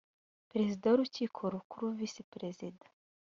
perezida w urukiko rukuru visi perezida